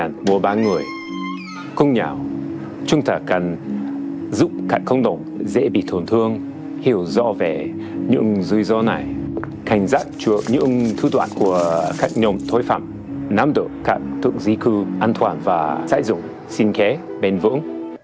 cảnh giác cho những thư toán của các nhóm tội phạm nắm độ các thượng di cư an toàn và sải dụng sinh khế bền vững